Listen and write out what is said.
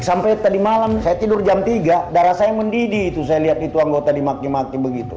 sampai tadi malam saya tidur jam tiga darah saya mendidih itu saya lihat itu anggota dimaki maki begitu